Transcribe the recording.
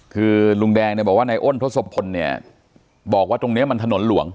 คือลุงแดงเนี่ยบอกว่านายอ้นทศพลเนี่ยบอกว่าตรงนี้มันถนนหลวง